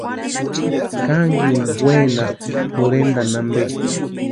¿Kankini wenaspki jorhentani ampe?